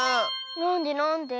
なんでなんで？